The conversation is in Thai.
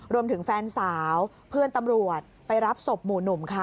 รวมถึงแฟนสาวเพื่อนตำรวจไปรับศพหมู่หนุ่มค่ะ